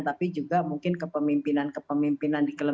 tapi juga mungkin kepemimpinan kepemimpinan di kelemahan